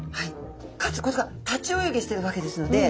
かつ立ち泳ぎしてるわけですので。